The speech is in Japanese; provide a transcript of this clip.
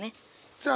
さあ